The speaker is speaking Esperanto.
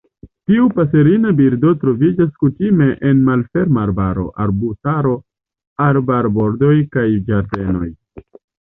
Tiu paserina birdo troviĝas kutime en malferma arbaro, arbustaro, arbarbordoj kaj ĝardenoj.